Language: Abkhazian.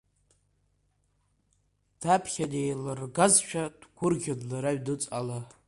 Даԥхьаны еиллыргазшәа, дгәырӷьон лара ҩныҵҟала.